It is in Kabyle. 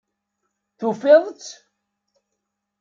Tufiḍ-tt?